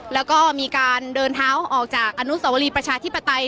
แล้วก็มีการเดินเท้าออกจากอนุสวรีประชาธิปไตย